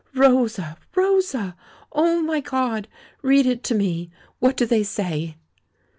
"Rosa, Rosa! Oh, my God! Read it to me! What do they say?"